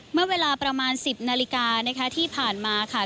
เมื่อเวลาประมาณ๑๐นาฬิกานะคะที่ผ่านมาค่ะ